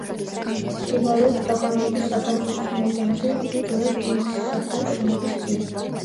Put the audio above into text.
მდებარეობს ტაგანროგის აჯანყების მოედანზე, ძველი რკინიგზის სადგურის შენობის წინ.